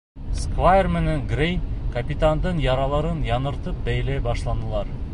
Сквайр менән Грей капитандың яраларын яңыртып бәйләй башланылар.